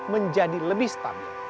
menjadi lebih stabil